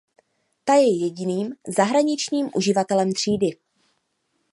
Ta je jediným zahraničním uživatelem třídy.